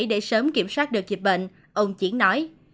để sớm kiểm soát được dịch bệnh ông chiến nói